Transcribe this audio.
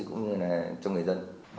cũng như là cho người dân